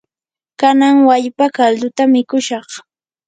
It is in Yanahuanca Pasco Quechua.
kanan wallpa kalduta mikushaq.